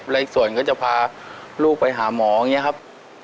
และอีกส่วนก็จะพาลูกไปหาหมออย่างนี้ครับ